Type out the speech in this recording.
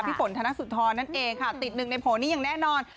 ฝนธนสุธรนั่นเองค่ะติดหนึ่งในโผล่นี้อย่างแน่นอน